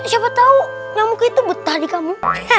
siapa tahu yang mungkin betah di kamu